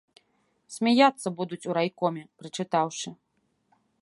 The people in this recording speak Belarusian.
Смяяцца будуць у райкоме, прачытаўшы.